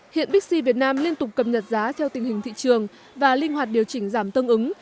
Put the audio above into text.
hiện bixi việt nam liên tục cập nhật giá theo tình hình thị trường và linh hoạt điều chỉnh giảm tương ứng